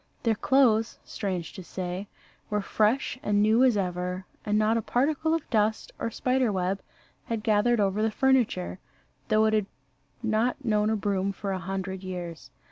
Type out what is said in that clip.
Their clothes, strange to say, were fresh and new as ever: and not a particle of dust or spider web had gathered over the furniture, though it had not known a broom for a hundred years.